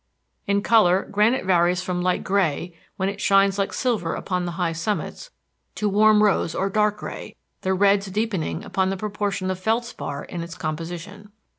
In color granite varies from light gray, when it shines like silver upon the high summits, to warm rose or dark gray, the reds depending upon the proportion of feldspar in its composition.